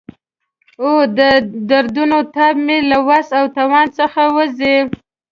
او د دردونو تاب مې له وس او توان څخه وځي.